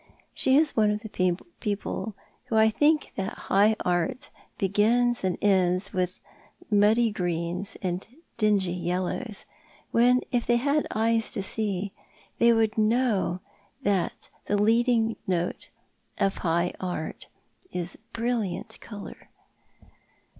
She is one of the people who think that high art begins and ends with muddy greens and dingy yellows; when if they had eyes to see they would know that the leading note of high art is brilliant colour.